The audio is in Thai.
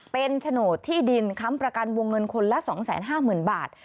เป็นโฉนดที่ดินค้ำประกันวงเงินคนละ๒๕๐๐๐บาท